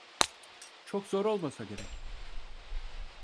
Çok zor olmasa gerek.